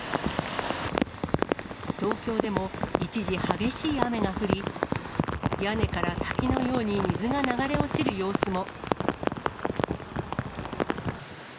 東京でも一時、激しい雨が降り、屋根から滝のように水が流れ落ちる様子も。